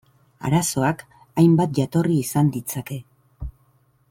Arazoak hainbat jatorri izan ditzake.